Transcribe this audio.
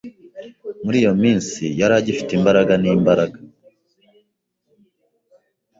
Muri iyo minsi, yari agifite imbaraga nimbaraga.